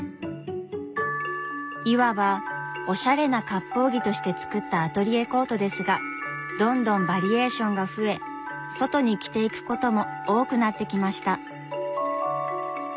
いわばおしゃれなかっぽう着として作ったアトリエコートですがどんどんバリエーションが増え外に着ていくことも多くなってきました。